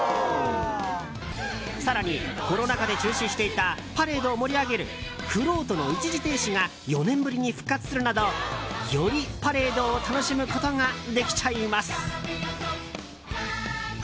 更に、コロナ禍で中止していたパレードを盛り上げるフロートの一時停止が４年ぶりに復活するなどよりパレードを楽しむことができちゃいます。